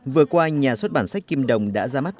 vừa qua nhà xuất bản sách kim đồng đã ra mắt